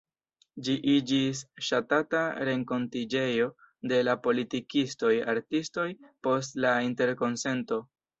Ĝi iĝis ŝatata renkontiĝejo de la politikistoj, artistoj post la Interkonsento.